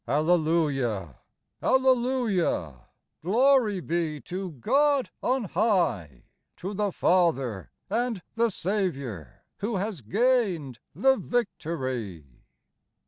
Alleluia ! Alleluia ! Glory be to God on high, To the Father, and the Saviour, Who has gained the victory.